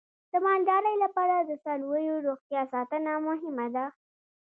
د مالدارۍ لپاره د څارویو روغتیا ساتنه مهمه ده.